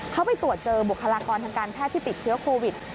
เขาไปตรวจเจอบุคลากรทางการแพทย์ที่ติดเชื้อโควิด